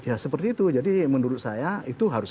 ya seperti itu jadi menurut saya itu harus